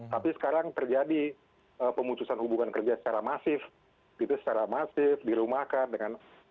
tapi sekarang terjadi pemutusan hubungan kerja secara masif gitu secara masif dirumahkan dengan